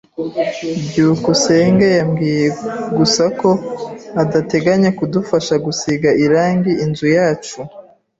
byukusenge yambwiye gusa ko adateganya kudufasha gusiga irangi inzu yacu.